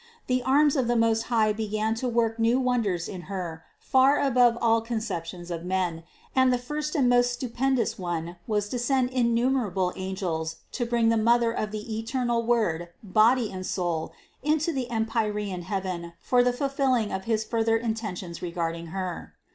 The arms of the Most High began to work new wonders in Her far above all conceptions of men, and the first and most stupendous one was to send innumerable angels to bring the Mother of the eternal Word body and soul into THE CONCEPTION 267 the empyrean heaven for the fulfilling of his further in tentions regarding Her.